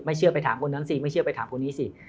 เชื่อไปถามคนนั้นสิไม่เชื่อไปถามคนนี้สิ